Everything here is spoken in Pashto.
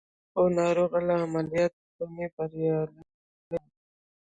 خو ناروغ له عملیات خونې بریالی را وووت